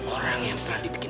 orang yang telah dibikin